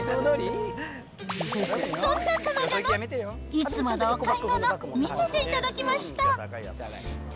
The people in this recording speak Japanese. そんな彼女のいつものお買い物、見せていただきました。